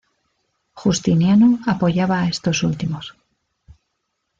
Justiniano apoyaba a estos últimos.